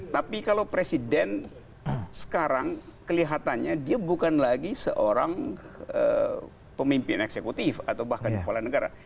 tapi kalau presiden sekarang kelihatannya dia bukan lagi seorang pemimpin eksekutif atau bahkan kepala negara